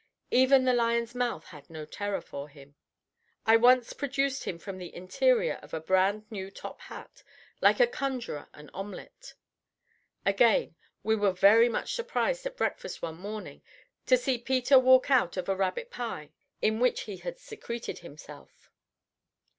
Even the lion's mouth had no terror for him. I once produced him from the interior of a brand new top hat like a conjurer an omelette. Again, we were very much surprised at breakfast one morning to see Peter walk out of a rabbit pie in which he had secreted himself.